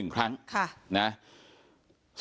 เป็นมีดปลายแหลมยาวประมาณ๑ฟุตนะฮะที่ใช้ก่อเหตุ